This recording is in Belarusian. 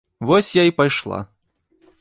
Вось я і пайшла.